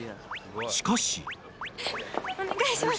［しかし］お願いします。